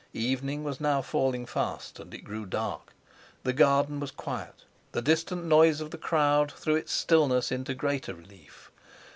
Evening was now falling fast, and it grew dark. The garden was quiet; the distant noise of the crowd threw its stillness into greater relief.